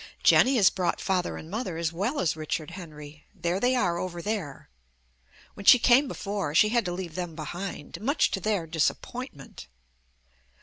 Jenny has brought Father and Mother as well as Richard Henry. There they are, over there. When she came before she had to leave them behind, much to their disappointment.